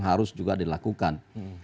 harus juga dilakukan